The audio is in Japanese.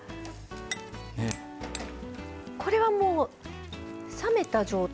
これはもう冷めた状態？